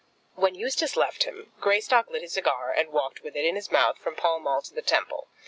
When Eustace left him, Greystock lit his cigar and walked with it in his mouth from Pall Mall to the Temple.